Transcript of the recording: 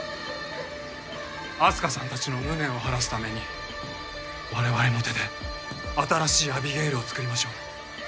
明日香さんたちの無念を晴らすために我々の手で新しいアビゲイルをつくりましょう。